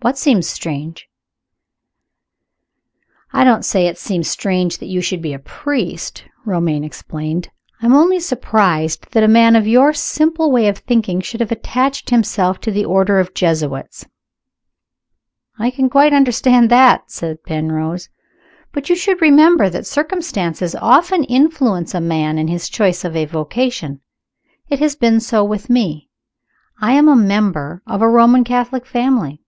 "What seems strange?" "I don't say it seems strange that you should be a priest," Romayne explained. "I am only surprised that a man of your simple way of thinking should have attached himself to the Order of the Jesuits." "I can quite understand that," said Penrose. "But you should remember that circumstances often influence a man in his choice of a vocation. It has been so with me. I am a member of a Roman Catholic family.